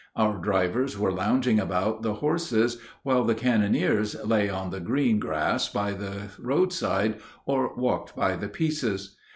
Our drivers were lounging about the horses, while the cannoneers lay on the green grass by the roadside or walked by the pieces.